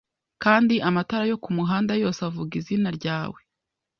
Kandi amatara yo kumuhanda yose avuga izina ryawe